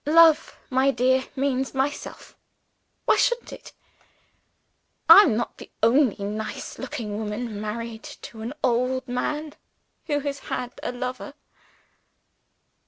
Love, my dear, means myself. Why shouldn't it? I'm not the only nice looking woman, married to an old man, who has had a lover."